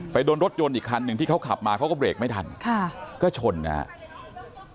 โดนรถยนต์อีกคันหนึ่งที่เขาขับมาเขาก็เบรกไม่ทันค่ะก็ชนนะครับ